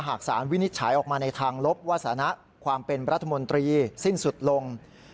หากสารวินิจฉัยออกมาในทางลบว่าสถานะความเป็นรัฐมนตรีสิ้นสุดลง